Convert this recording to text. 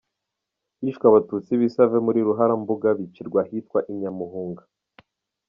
Hishwe Abatutsi b’i Save muri Ruharambuga bicirwa ahitwa i Nyamuhunga.